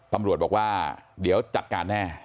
ตำรวจบอกว่าเดี๋ยวจัดการแน่